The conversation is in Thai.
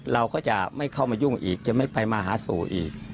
เราก็จะไม่เข้ามายุ่งอีกจะไม่ไปมาหาสู่อีก